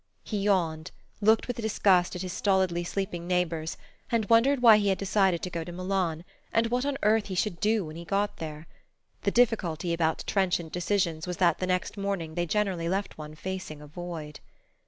He yawned, looked with disgust at his stolidly sleeping neighbours, and wondered why he had decided to go to Milan, and what on earth he should do when he got there. The difficulty about trenchant decisions was that the next morning they generally left one facing a void....